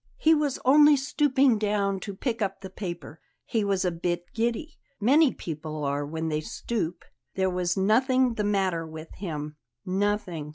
He was only stooping down to pick up the paper. He was a bit giddy; many people are when they stoop. There was nothing the matter with him nothing.